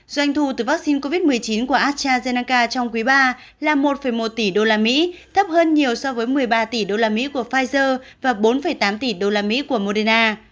doanh thu từ vaccine covid một mươi chín của astrazeneca trong quý ba là một một tỷ usd thấp hơn nhiều so với một mươi ba tỷ usd của pfizer và bốn tám tỷ usd của moderna